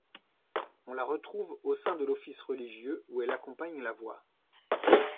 On la retrouve au sein de l'office religieux où elle accompagne la voix.